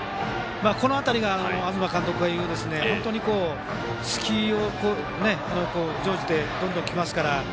この辺りが東監督が言う本当に隙に乗じてどんどん来ますから。